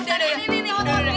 ini enak ini enak